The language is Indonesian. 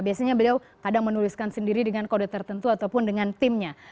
biasanya beliau kadang menuliskan sendiri dengan kode tertentu ataupun dengan timnya